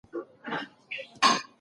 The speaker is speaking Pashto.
سړي وویل چې ما یوازې د ښکار شوق درلود.